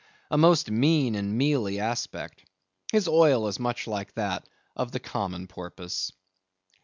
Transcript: A most mean and mealy aspect! His oil is much like that of the common porpoise.